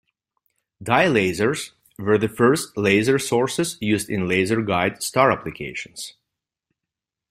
Dye lasers were the first laser sources used in laser guide star applications.